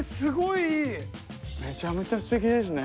めちゃめちゃすてきですね！